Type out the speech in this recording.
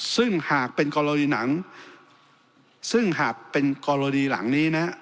ซึ่งหากเป็นกรณีหนังซึ่งหากเป็นกรณีหลังนี้นะ